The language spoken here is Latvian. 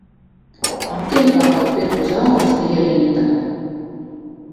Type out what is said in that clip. Aptiekā, kad pirku zāles, bija rinda.